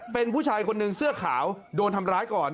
เป็นผู้ชายคนหนึ่งเสื้อขาวโดนทำร้ายก่อน